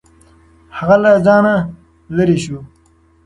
هغه له ځانه لرې شو.